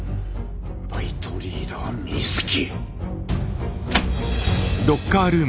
バイトリーダー水木！